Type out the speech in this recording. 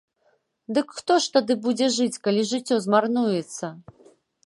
Дык хто ж тады будзе жыць, калі жыццё змарнуецца?